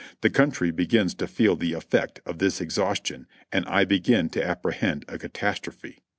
The country begins to feel the effect of this exhaustion and I begin to apprehend a catastrophe.